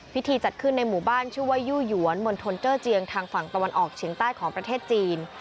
พิธีจัดขึ้นในหมู่บ้านชื่อว่ายู่หวนมณฑลเจอร์เจียงทางฝั่งตะวันออกเฉียงใต้ของประเทศจีน